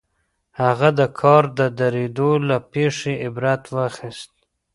هغه د کار د درېدو له پېښې عبرت واخيست.